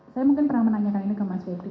saya mungkin pernah menanyakan ini ke mas febri